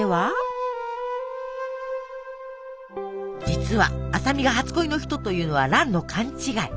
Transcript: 実は麻美が初恋の人というのは蘭の勘違い。